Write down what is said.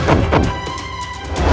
kisah kisah yang terjadi di dalam hidupku